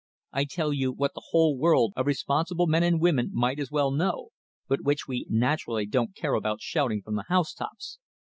I tell you what the whole world of responsible men and women might as well know, but which we naturally don't care about shouting from the housetops.